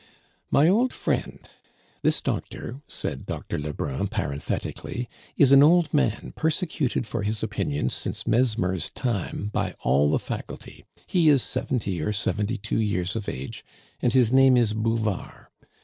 "My old friend this doctor," said Doctor Lebrun parenthetically, "is an old man persecuted for his opinions since Mesmer's time by all the faculty; he is seventy or seventy two years of age, and his name is Bouvard.